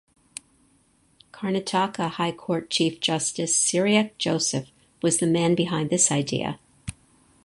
Karnataka High Court Chief justice Cyriac Joseph was the man behind this idea.